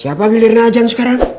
siapa giliran ajang sekarang